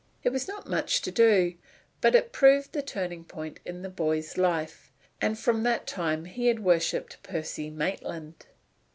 It was not much to do, but it proved the turning point in the boy's life; and from that time he had worshiped Percy Maitland.